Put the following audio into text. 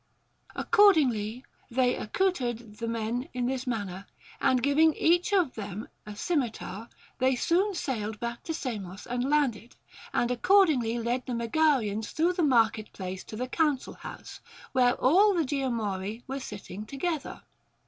Accordingly they accoutred the men in this man ner, and giving each of them a scimitar, they soon sailed back to Samos and landed, and accordingly led the Me garians through the market place to the council house, where all the Geomori were sitting together.